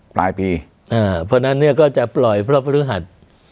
พลายปีอ่าเพราะฉะนั้นก็จะปล่อยพระพฤหัส